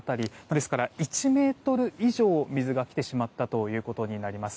ですから１ｍ以上水が来てしまったとことになります。